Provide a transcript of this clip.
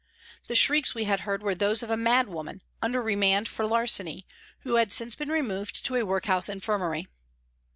The shrieks we had heard were those of a mad woman, under remand for larceny, who had since been removed to a workhouse infirmary.